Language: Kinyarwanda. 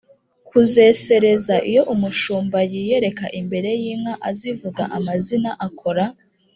. Kuzesereza: Iyo umushumba yiyereka imbere y’inka azivuga amazina akora